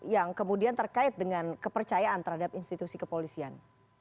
yang kemudian terkait dengan kepercayaan terhadap institusi kepolisian